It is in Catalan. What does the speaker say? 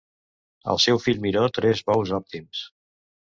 Al seu fill Miró tres bous òptims.